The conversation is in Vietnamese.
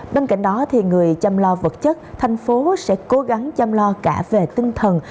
bên cạnh đó người chăm lo vật chất thành phố sẽ cố gắng chăm lo cả về tinh thần